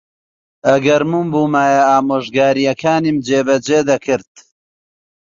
ئەگەر من بوومایە، ئامۆژگارییەکانیم جێبەجێ دەکرد.